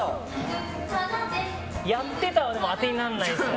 やってたはでもあてにならないんですよ。